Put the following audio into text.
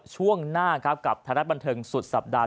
ช่วงหน้ากับทางรัฐบันเทิงสุดสัปดาห์